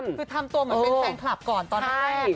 คือทำตัวเหมือนเป็นแฟนคลับก่อนตอนแรก